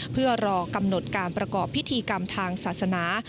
เพื่อรอกำหนดการประกอบพิธีกรรมทางศาสนา